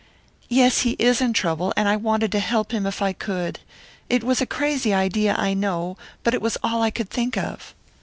"Yes, he is in trouble, and I wanted to help him, if I could. It was a crazy idea, I know; but it was all I could think of."